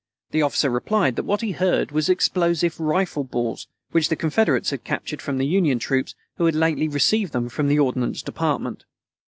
The officer replied that what he heard was explosive rifle balls, which the Confederates had captured from the Union troops, who had lately received them from the Ordnance Department.